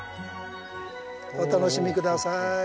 お楽しみ下さい。